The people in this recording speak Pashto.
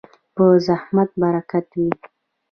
په زحمت برکت وي.